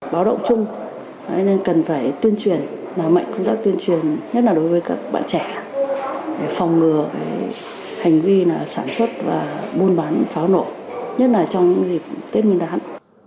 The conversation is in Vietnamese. báo động chung nên cần phải tuyên truyền làm mạnh công tác tuyên truyền nhất là đối với các bạn trẻ phòng ngừa hành vi sản xuất và buôn bán pháo nổ nhất là trong dịp tết nguyên đán